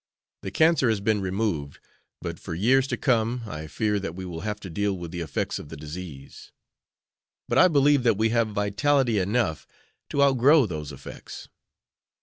The cancer has been removed, but for years to come I fear that we will have to deal with the effects of the disease. But I believe that we have vitality enough to outgrow those effects."